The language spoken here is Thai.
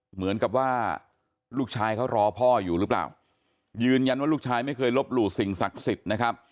เหมือนกับว่าลูกชายเขารอพ่ออยู่หรือเปล่ายืนยันว่าลูกชายไม่เคยลบหลู่สิ่งศักดิ์สิทธิ์นะครับ